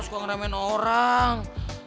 suka ngeremehin orang